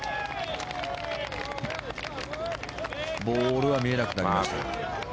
ボールは見えなくなりました。